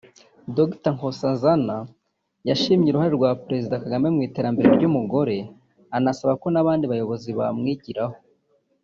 Dr Nkosazana yashimye uruhare rwa Perezida Kagame mu iterambere ry’umugore anasaba ko n’abandi bayobozi bamwigiraho